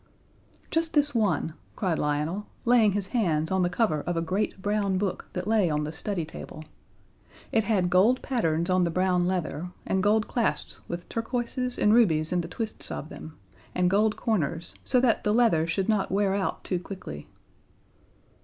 "Just this one," cried Lionel, laying his hands on the cover of a great brown book that lay on the study table. It had gold patterns on the brown leather, and gold clasps with turquoises and rubies in the twists of them, and gold corners, so that the leather should not wear out too quickly.